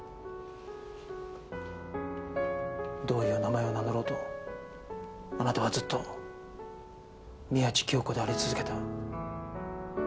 どういう名前を名乗ろうとあなたはずっと宮地杏子であり続けた。